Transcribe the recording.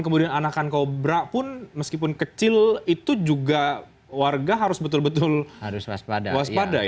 kemudian anakan kobra pun meskipun kecil itu juga warga harus betul betul harus waspada ya